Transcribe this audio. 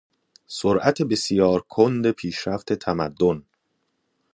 سرعت بسیار کند پیشرفت تمدن